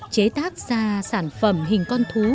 chế tác ra sản phẩm hình con thú